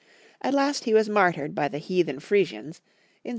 At last he was martyred by the heathen Frisians in 755.